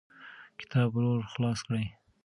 کتاب ورو خلاص کړه.